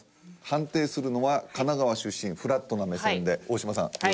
判定するのは神奈川出身フラットな目線で大島さんよろしくお願い致します。